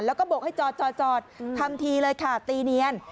แล้วก็บกให้จอดทำทีเลยค่ะตีเนียน